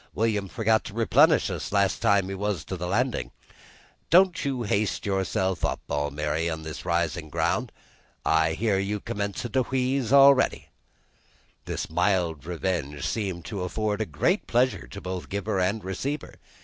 William forgot to replenish us last time he was to the Landin'. Don't you haste so yourself Almiry, up this risin' ground. I hear you commencin' to wheeze a'ready." This mild revenge seemed to afford great pleasure to both giver and receiver.